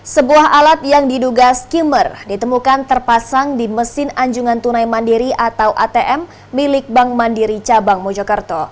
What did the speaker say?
sebuah alat yang diduga skimmer ditemukan terpasang di mesin anjungan tunai mandiri atau atm milik bank mandiri cabang mojokerto